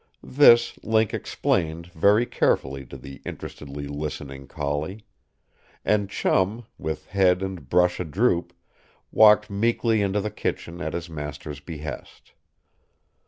This Link explained very carefully to the interestedly listening collie. And Chum, with head and brush a droop, walked meekly into the kitchen at his master's behest.